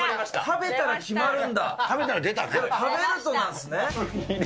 食べるとなんですね。